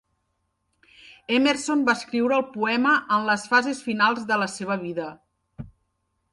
Emerson va escriure el poema en les fases finals de la seva vida.